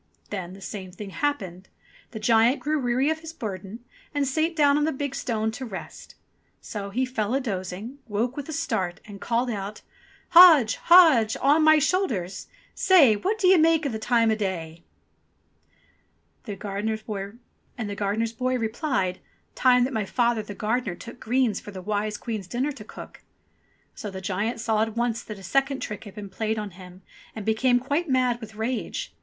Then the same thing happened. The giant grew weary of his burden, and sate down on the big stone to rest. So he fell a dozing, woke with a start, and called out : "Hodge, Hodge, on my shoulders ! Say What d'ye make the time o' day ?" And the gardener's boy replied : "Time that my father the gardener took Greens for the wise Queen's dinner to cook! So the giant saw at once that a second trick had been played on him and became quite mad with rage.